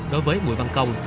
đối với bùi văn công